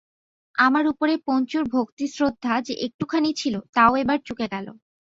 আমার উপরে পঞ্চুর ভক্তিশ্রদ্ধা যে একটুখানি ছিল তাও এবার চুকে গেল।